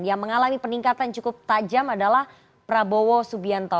yang mengalami peningkatan cukup tajam adalah prabowo subianto